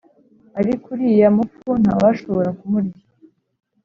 , ariko uriya mupfu ntawashobora kumurya